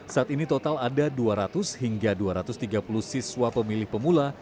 saat ini total ada dua ratus hingga dua ratus tiga puluh siswa pemilih pemula